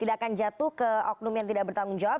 tidak akan jatuh ke oknum yang tidak bertanggung jawab